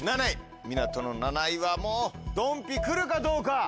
７位港の７位はもうドンピ来るかどうか。